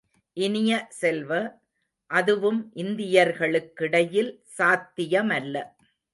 இனிய செல்வ, அதுவும் இந்தியர்களுக்கிடையில் சாத்தியமல்ல.